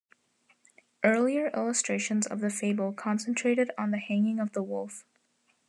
Earlier illustrations of the fable concentrated on the hanging of the wolf.